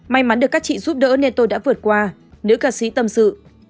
may mắn được các chị giúp đỡ nên tôi đã vượt qua nữ ca sĩ tâm sự